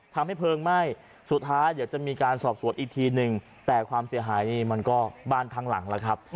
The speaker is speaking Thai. ทำให้เพลิงไหม้สุดท้ายเดี๋ยวจะมีการสอบสวนอีกทีนึงแต่ความเสียหายนี่มันก็บ้านทั้งหลังแล้วครับ